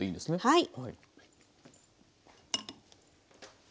はい。